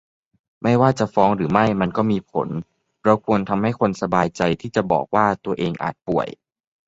ไม่ว่าจะฟ้องหรือไม่มันก็มีผล เราควรทำให้คนสบายใจที่จะบอกว่าตัวเองอาจป่วย